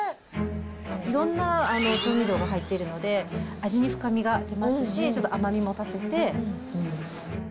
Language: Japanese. いろんな調味料が入っているので、味に深みが出ますし、ちょっと甘みも足せていいんです。